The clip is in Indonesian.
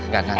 gak gak gak